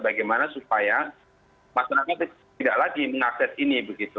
bagaimana supaya masyarakat tidak lagi mengakses ini begitu